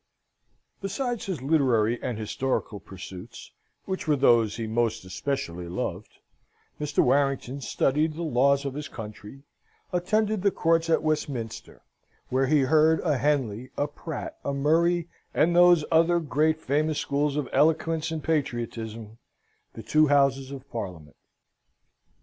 Besides his literary and historical pursuits, which were those he most especially loved, Mr. Warrington studied the laws of his country, attended the courts at Westminster, where he heard a Henley, a Pratt, a Murray, and those other great famous schools of eloquence and patriotism, the two houses of parliament.